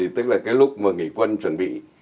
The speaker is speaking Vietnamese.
tức là cái lúc mà nghỉ quân chuẩn bị